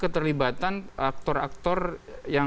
tersangka awal ini